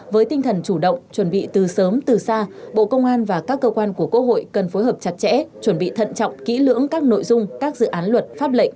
với tinh thần chủ động chuẩn bị từ sớm từ xa bộ công an và các cơ quan của quốc hội cần phối hợp chặt chẽ chuẩn bị thận trọng kỹ lưỡng các nội dung các dự án luật pháp lệnh